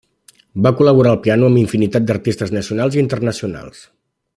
Va col·laborar al piano amb infinitat d'artistes nacionals i internacionals.